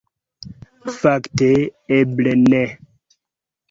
Fakte, eble ne.